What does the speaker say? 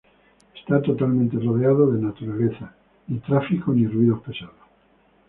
Esta totalmente rodeado de naturaleza, ni tráficos ni ruidos pesados.